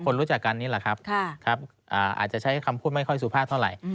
รู้จักกันนี่แหละครับอาจจะใช้คำพูดไม่ค่อยสุภาพเท่าไหร่